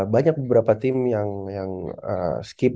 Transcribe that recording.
banyak beberapa tim yang skip